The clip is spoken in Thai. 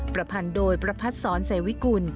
ประพันธ์โดยประพัทธ์สอนเสวิกุล